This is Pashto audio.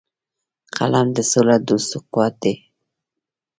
قلم د سولهدوستو قوت دی